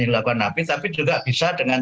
dilakukan nabi tapi juga bisa dengan